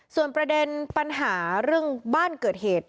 ส่วนประเด็นปัญหาเรื่องบ้านเกิดเหตุ